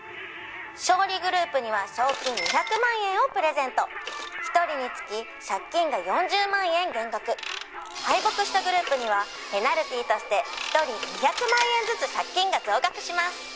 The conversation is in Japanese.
「勝利グループには賞金２００万円をプレゼント」「一人につき借金が４０万円減額」「敗北したグループにはペナルティーとして一人２００万円ずつ借金が増額します」